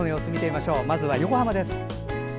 まずは横浜です。